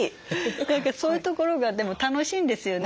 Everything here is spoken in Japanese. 何かそういうところがでも楽しいんですよね。